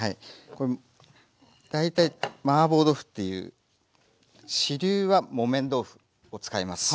これ大体マーボー豆腐っていう主流は木綿豆腐を使います。